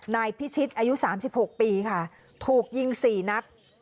นายพิชิตอายุ๓๖ปีค่ะถูกยิง๔นัด